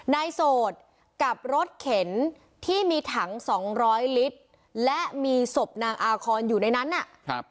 ในโสดกับรถเข็นที่มีถัง๒๐๐ลิตรและมีศพนางอารคอนอยู่ในนั้นน่ะ